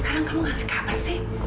nanti kalau kamu sakit aku kan yang sedih